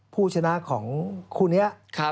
ผู้ชนะของคู่นี้